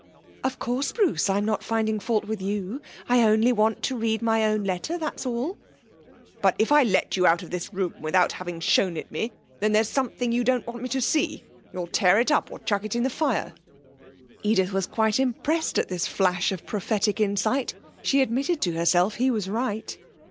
'Of course, Bruce; I'm not finding fault with you. I only want to read my own letter, that's all.' 'But if I let you out of this room without having shown it me, then if there's something you don't want me to see, you'll tear it up or chuck it in the fire.' Edith was quite impressed at this flash of prophetic insight. She admitted to herself he was right.